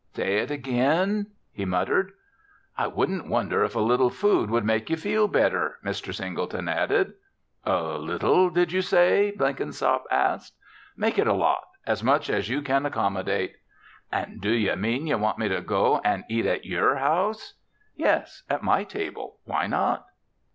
"Say it ag'in," he muttered. "I wouldn't wonder if a little food would make you feel better," Mr. Singleton added. "A little, did ye say?" Blenkinsop asked. "Make it a lot as much as you can accommodate." "And do ye mean that ye want me to go an' eat in yer house?" "Yes, at my table why not?"